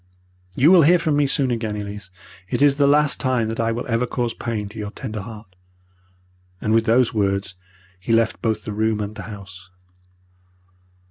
You will hear from me soon again, Elise. It is the last time that I will ever cause pain to your tender heart,' and with these words he left both the room and the house.